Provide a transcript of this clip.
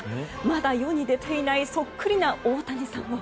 まだ世に出ていないそっくりな大谷さんを。